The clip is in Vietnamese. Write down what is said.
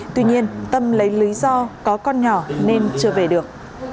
tuy nhiên tâm lấy lý do có con nhỏ nên chưa về được